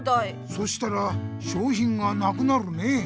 そしたらしょうひんがなくなるね。